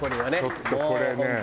ちょっとこれね。